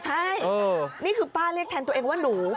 ใช่นี่คือป้าเรียกแทนตัวเองว่าหนู